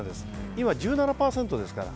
今１７％ですから。